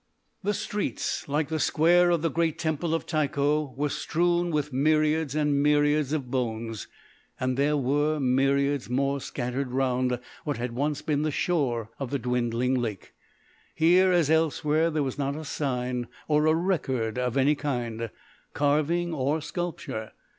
The streets, like the square of the great Temple of Tycho, were strewn with myriads and myriads of bones, and there were myriads more scattered round what had once been the shores of the dwindling lake. Here, as elsewhere, there was not a sign or a record of any kind carving or sculpture.